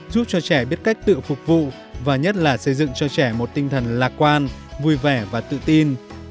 giúp cho trẻ biết cách tự phục vụ và nhất là xây dựng cho trẻ một tinh thần lạc quan vui vẻ và tự tin